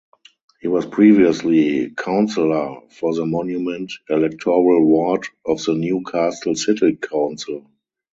He was previously Councillor for the Monument electoral ward of the Newcastle City Council.